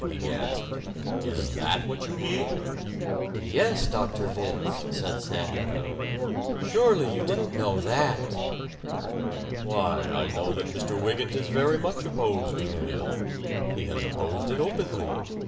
he gasped. "Is THAT what you mean?" "Yes, Dr. Vince," said Samuel. "Surely you didn't know that!" "Why, I know that Mr. Wygant is very much opposed to the bill. He has opposed it openly.